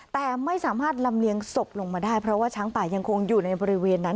แต่ไม่สามารถลำเลียงศพลงมาได้เพราะว่าช้างป่ายังคงอยู่ในบริเวณนั้น